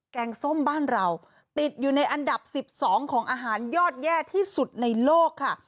งส้มบ้านเราติดอยู่ในอันดับ๑๒ของอาหารยอดแย่ที่สุดในโลกค่ะ